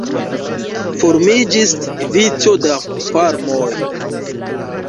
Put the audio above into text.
Formiĝis vico da farmoj.